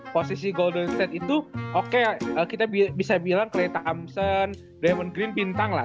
posisi golden state itu oke kita bisa bilang keleta amson raven green bintang lah